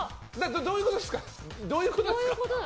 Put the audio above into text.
どういうことですか？